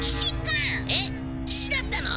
えっ騎士だったの？